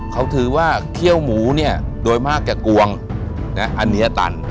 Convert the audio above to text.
เขาถือว่าเคี่ยวหมูนี่โดยมากแก่กวงอ่ะอันเหนียตัน